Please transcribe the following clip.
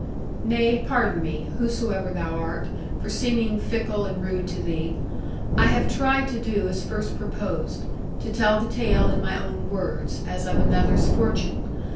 Nay, pardon me, whosoever thou art, for seeming fickle and rude to thee; I have tried to do as first proposed, to tell the tale in my own words, as of another's fortune.